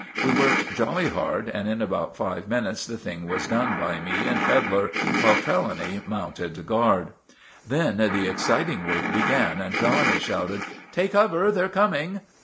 We worked jolly hard, and in about five minutes the thing was done by me and Pedlar while Trelawny mounted guard. Then the exciting work began and Trelawny shouted— "Take cover! They're coming!"